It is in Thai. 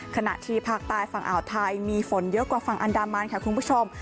ขณะที่ภาคใต้ฝั่งอ่าวไทยมีฝนเยอะกว่าฝั่งอันดามันค่ะคุณผู้ชม